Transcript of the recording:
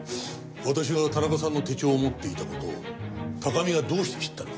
私が田中さんの手帳を持っていた事を高見がどうして知ったのか。